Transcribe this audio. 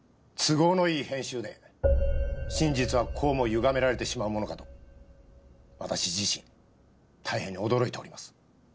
都合のいい編集で真実はこうも歪められてしまうものかと私自身大変驚いております。